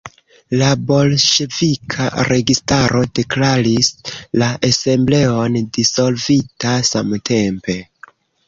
La bolŝevika registaro deklaris la Asembleon dissolvita samtempe.